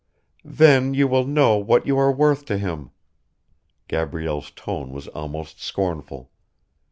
"Then you will know what you are worth to him." Gabrielle's tone was almost scornful.